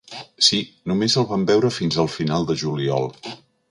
Sí, només el vam veure fins al final de juliol.